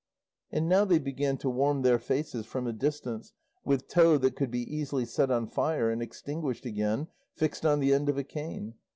And now they began to warm their faces, from a distance, with tow that could be easily set on fire and extinguished again, fixed on the end of a cane.